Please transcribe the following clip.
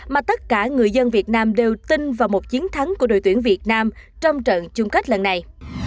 mà tất cả người dân việt nam đều tin vào một chiến thắng của đội tuyển việt nam trong trận chung kết lần này